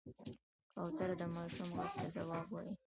کوتره د ماشوم غږ ته ځواب وايي.